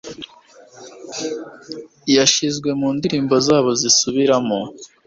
Yashizwe mu ndirimbo zabo zisubiramo